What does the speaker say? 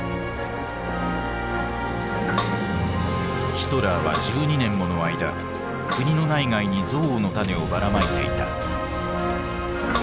ヒトラーは１２年もの間国の内外に憎悪の種をばらまいていた。